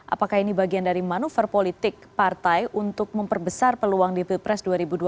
apakah ini bagian dari manuver politik partai untuk memperbesar peluang di pilpres dua ribu dua puluh